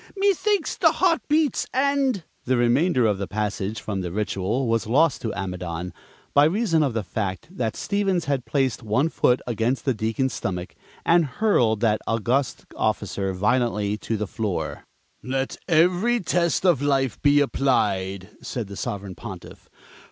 Methinks the heart beats, and " The remainder of the passage from the ritual was lost to Amidon by reason of the fact that Stevens had placed one foot against the Deacon's stomach and hurled that august officer violently to the floor. "Let every test of life be applied," said the Sovereign Pontiff.